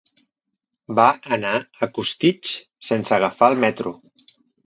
Va anar a Costitx sense agafar el metro.